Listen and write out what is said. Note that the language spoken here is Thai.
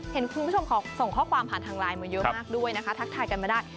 เห็นคุณผู้ชมขอส่งข้อความผ่านทางไลน์มาเยอะมากด้วยนะคะทักทายกันมาได้